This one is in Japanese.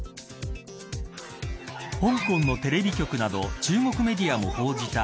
香港のテレビ局など中国メディアも報じた